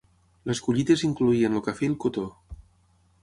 Les collites incloïen el cafè i el cotó.